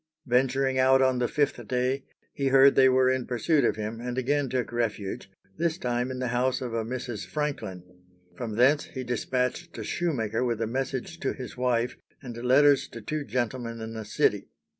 Venturing out on the fifth day, he heard they were in pursuit of him, and again took refuge, this time in the house of a Mrs. Franklin. From thence he despatched a shoemaker with a message to his wife, and letters to two gentlemen in the city.